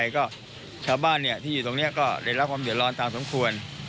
ก็ชาวบ้านที่อยู่ตรงนี้ก็ได้รับความเดือดร้อนตามสมควร